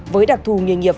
với đặc thù nghiên nghiệp